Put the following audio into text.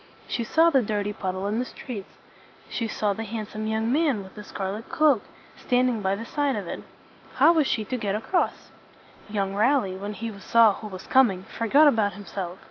She saw the dirty puddle in the street. She saw the handsome young man with the scar let cloak, stand ing by the side of it. How was she to get across? Young Raleigh, when he saw who was coming, forgot about himself.